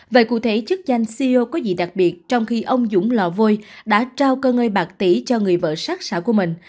vậy cụ thể chức danh ceo có gì đặc biệt trong khi ông dũng lò vôi đã trao cơ ngơi bạc tỷ cho người vợ sát xã của mình